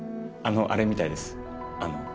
あのあれみたいですあの。